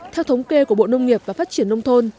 theo thống kê của bộ nông nghiệp và phát triển nông thôn